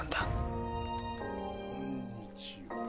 こんにちは。